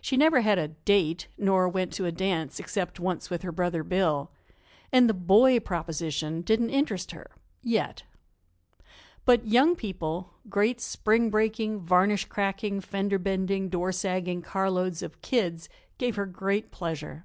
She never had a "date," nor went to a dance, except once with her brother, Bill, and the "boy proposition" didn't interest her yet. But young people great spring breaking, varnish cracking, fender bending, door sagging carloads of "kids" gave her great pleasure.